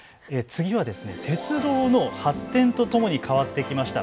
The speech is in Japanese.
次は鉄道の発展とともに変わってきました